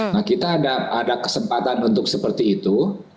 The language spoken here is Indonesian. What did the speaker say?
nah kita ada kesempatan untuk seperti itu